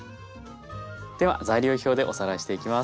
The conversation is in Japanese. では材料表でおさらいしていきます。